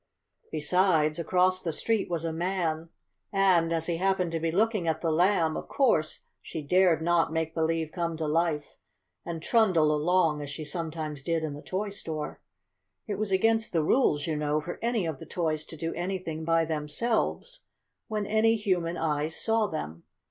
Besides, across the street was a man, and, as he happened to be looking at the Lamb, of course she dared not make believe come to life and trundle along as she sometimes did in the toy store. It was against the rules, you know, for any of the toys to do anything by themselves when any human eyes saw them.